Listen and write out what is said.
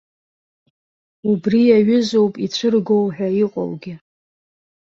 Убри иаҩызоуп ицәыргоу ҳәа иҟоугьы.